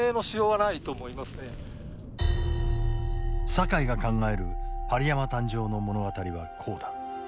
酒井が考える針山誕生の物語はこうだ。